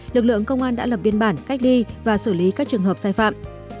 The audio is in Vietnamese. lực lượng công an đã lập biên bản cách ly và xử lý các trường hợp sai phạm